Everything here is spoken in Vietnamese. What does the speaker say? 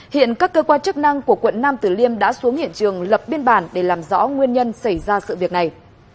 hiện các cơ quan chức năng của quận nam tử liêm đã xuống hiện trường lập biên bản để làm rõ nguyên nhân xảy ra sự việc này